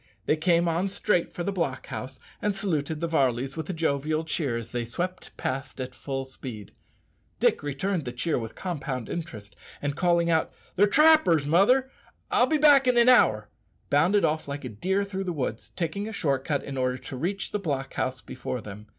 They came on straight for the block house, and saluted the Varleys with a jovial cheer as they swept past at full speed. Dick returned the cheer with compound interest, and calling out, "They're trappers, mother; I'll be back in an hour," bounded off like a deer through the woods, taking a short cut in order to reach the block house before them.